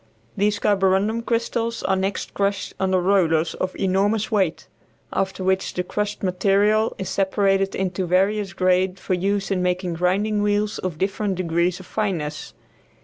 These carborundum crystals are next crushed under rollers of enormous weight, after which the crushed material is separated into various grades for use in making grinding wheels of different degrees of fineness.